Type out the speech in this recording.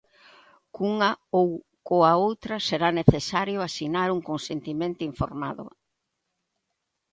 Cunha ou coa outra será necesario asinar un consentimento informado.